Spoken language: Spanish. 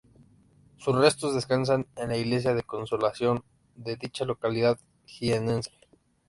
Sus restos descansan en la iglesia de Consolación de dicha localidad jiennense.